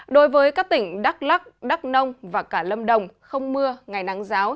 đối với các tỉnh đắk lắc đắk nông và cả lâm đồng không mưa ngày nắng giáo